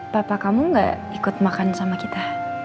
papa kamu gak ikut makan sama kita